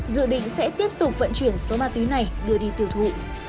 dự định sẽ tiếp tục vận chuyển số ma túy này đưa đi tiêu thụ